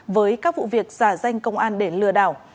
với các vụ việc giả danh công an để lừa đảo